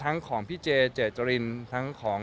ของพี่เจเจจรินทั้งของ